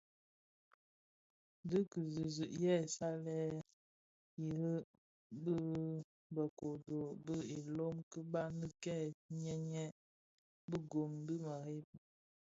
Dhi ki zizig yè salèn irig bi bë kodo bë ilom ki baňi kè nyèn nyèn (bighök dhi mereb).